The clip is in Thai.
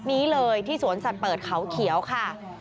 นี้เลยที่สวนสัตว์เปิดเขาเขียวค่ะ